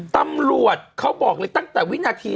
ตำรวจเขาบอกเลยตั้งแต่วินาที